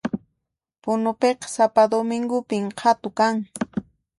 Punupiqa sapa domingopin qhatu kan